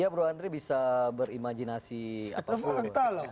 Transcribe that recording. ya bro andre bisa berimajinasi apa